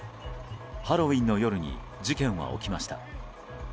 ハロウィーンの夜に事件は起きました。